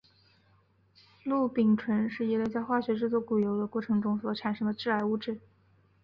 氯丙醇是一类在化学制作豉油的过程中所产生的致癌物质。